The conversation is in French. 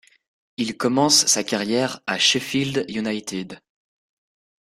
Il commence sa carrière à Sheffield United.